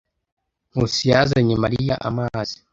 Nkusi yazanye Mariya amazi.